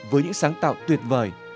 với những sáng tạo tuyệt vời